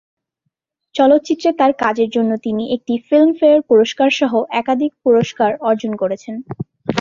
চলচ্চিত্রে তার কাজের জন্য তিনি একটি ফিল্মফেয়ার পুরস্কারসহ একাধিক পুরস্কার অর্জন করেছেন।